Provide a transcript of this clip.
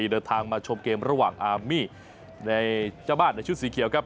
เดินทางมาชมเกมระหว่างอาร์มี่ในเจ้าบ้านในชุดสีเขียวครับ